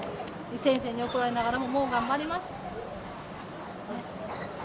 先生に怒られながらももう頑張りました。